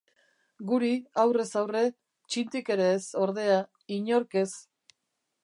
Guri, aurrez aurre, txintik ere ez, ordea, inork ez.